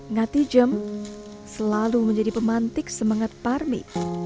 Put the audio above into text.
ngati jem selalu menjadi pemantik semangat parmi